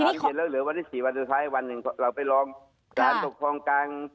เย็นแล้วเหลือวันที่๔วันสุดท้ายวันหนึ่งเราไปร้องการปกครองกลาง